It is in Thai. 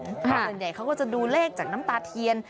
ส่วนใหญ่เขาก็จะดูเลขจากน้ำตาเทียน